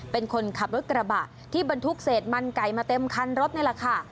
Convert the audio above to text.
เป็นคนขับรถกระบะที่บรรทุกเศษมันไก่มาเต็มคันรถนี่แหละค่ะ